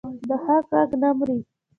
د حق غږ نه مري